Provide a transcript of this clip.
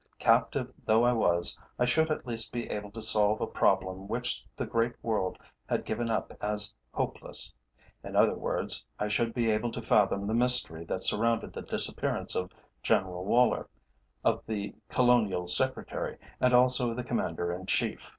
Captive though I was, I should at least be able to solve a problem which the great world had given up as hopeless. In other words I should be able to fathom the mystery that surrounded the disappearance of General Woller, of the Colonial Secretary, and also of the Commander in Chief.